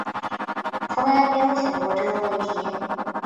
从来没有想过这个问题